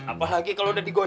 apalagi kalau udah digoyang